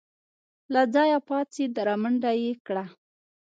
له ځايه پاڅېد رامنډه يې کړه.